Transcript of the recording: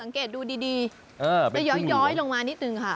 ผมสังเกตดูดีแต่ย้อยลงมานิดหนึ่งค่ะ